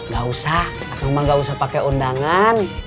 gak usah akang mah gak usah pakai undangan